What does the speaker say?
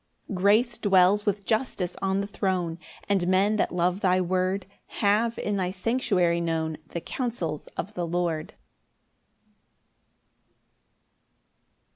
10 Grace dwells with justice on the throne; And men that love thy word Have in thy sanctuary known The counsels of the Lord.